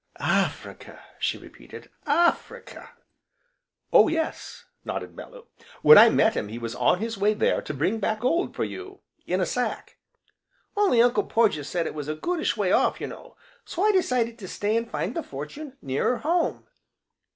"Africa!" she repeated, "Africa!" "Oh yes," nodded Bellew, "when I met him he was on his way there to bring back gold for you in a sack." "Only Uncle Porges said it was a goodish way off, you know, so I 'cided to stay an' find the fortune nearer home."